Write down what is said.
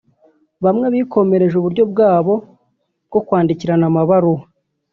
Bamwe bikomereje uburyo bwabo bwo kwandikirana amabaruwa